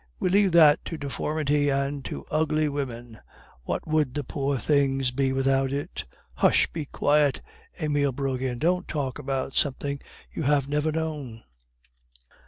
we leave that to deformity and to ugly women. What would the poor things be without it?" "Hush, be quiet," Emile broke in. "Don't talk about something you have never known."